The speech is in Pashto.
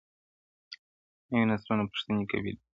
• نوي نسلونه پوښتني کوي ډېر..